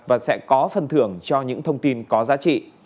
và sẽ có phần thưởng cho những thông tin có giá trị